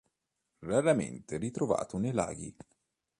Raramente ritrovato nei laghi.